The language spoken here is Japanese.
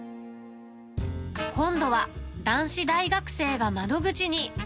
今度は、男子大学生が窓口に。